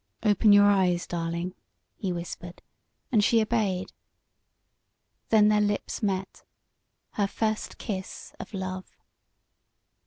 "Open your eyes, darling," he whispered, and she obeyed. Then their lips met her first kiss of love!